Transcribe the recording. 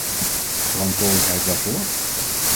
Verantwoordelijkheid waarvoor?